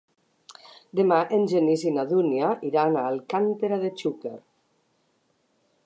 Demà en Genís i na Dúnia iran a Alcàntera de Xúquer.